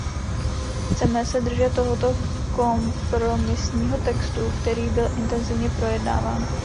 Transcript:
Chceme se držet tohoto kompromisního textu, který byl intenzivně projednáván.